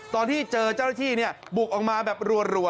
ตอนที่เจอเจ้าละที่บุกออกมาแบบรวดครับ